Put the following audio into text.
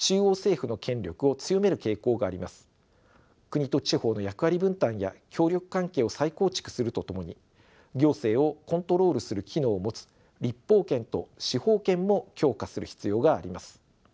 国と地方の役割分担や協力関係を再構築するとともに行政をコントロールする機能を持つ立法権と司法権も強化する必要があります。